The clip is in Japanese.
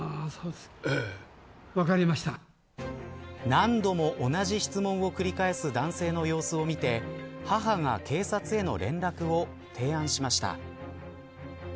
何度も同じ質問を繰り返す男性の様子を見て母が警察への連絡を提案しました。